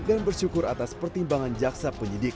dan bersyukur atas pertimbangan jaksa penyidik